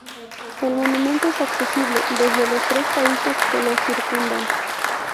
El monumento es accesible desde los tres países que lo circundan.